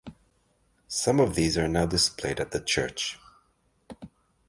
Some of these are now displayed at the church.